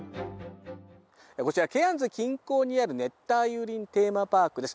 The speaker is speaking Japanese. こちらケアンズ近郊にある熱帯雨林テーマパークです。